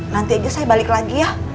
nanti aja saya balik lagi ya